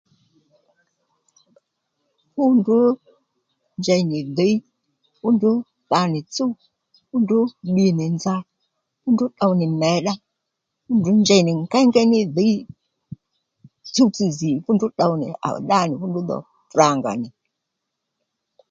Fú ndrǔ njey nì dhǐy fú ndrú tha nì tsúw fú ndrú bbi nì nza fúndrú ddow nì mèddá fú ndrǔ njey nì ngéyngéy ní dhǐy tsuw tsi jì fú ndrǔ ddow nì à ddá nì fú ndrú dhò frǎnga nì